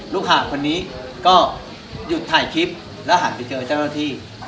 หากคนนี้ก็หยุดถ่ายคลิปแล้วหันไปเจอเจ้าหน้าที่